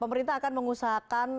pemerintah akan mengusahakan